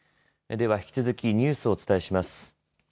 では引き続きニュースをお伝えします。